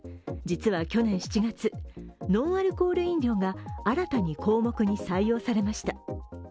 実は去年７月、ノンアルコール飲料が新たに項目に採用されました。